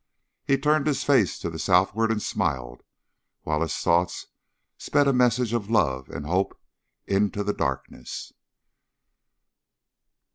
He turned his face to the southward and smiled, while his thoughts sped a message of love and hope into the darkness.